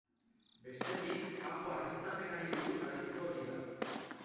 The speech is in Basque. Bestetik, kanpo argiztapenari buruz arituko dira.